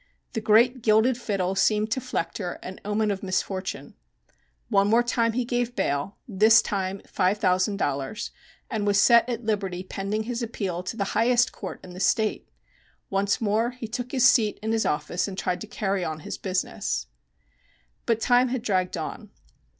The great gilded fiddle seemed to Flechter an omen of misfortune. Once more he gave bail, this time in five thousand dollars, and was set at liberty pending his appeal to the highest court in the State. Once more he took his seat in his office and tried to carry on his business. But time had dragged on.